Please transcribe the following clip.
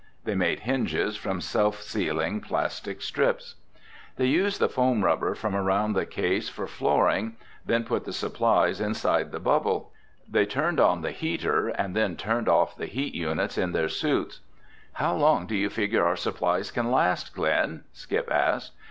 They made hinges from self sealing plastic strips. They used the foam rubber from around the case for flooring, then put the supplies inside the bubble. They turned on the heater and then turned off the heat units in their suits. "How long do you figure our supplies can last, Glen?" Skip asked.